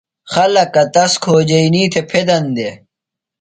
خلکہ تس کھوجئینی تھےۡ یِھین دےۡ۔